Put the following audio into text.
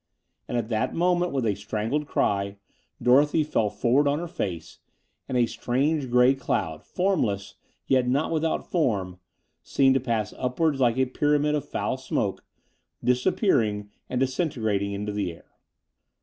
And at that moment, with a strangled cry, Dorothy fell forward on her face, and a strange grey cloud, formless, yet not without form, seemed to pass upwards like a pyramid of foul smoke, disappearing and disintegrating into the air.